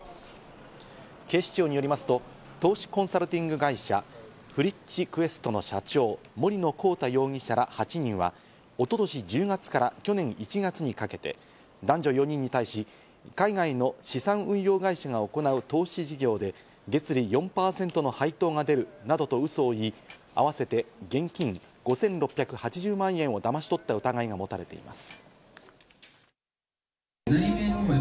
警視庁によりますと投資コンサルティング会社ＦＲｉｃｈＱｕｅｓｔの社長・森野広大容疑者ら８人は一昨年１０月から去年１月にかけて男女４人に対し、海外の資産運用会社が行う投資事業で、月利４％の配当が出るなどとウソを言い、あわせて現金５６８０万円をだまし取った疑いがもたれています。